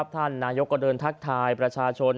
ท่านนายกก็เดินทักทายประชาชน